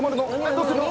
どうするの？